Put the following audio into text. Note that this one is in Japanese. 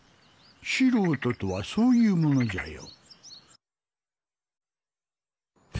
素人とはそういうものじゃよ。